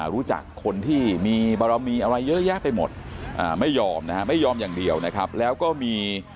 รู้จักคนที่มีบารมีอะไรเยอะแยะไปหมดไม่ยอมนะฮะไม่ยอมอย่างเดียวนะครับแล้วก็มี